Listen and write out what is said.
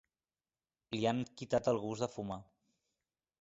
Li han quitat el gust de fumar.